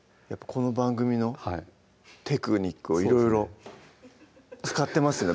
この番組のテクニックをいろいろ使ってますね